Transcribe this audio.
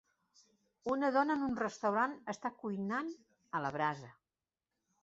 Una dona en un restaurant està cuinant a la brasa.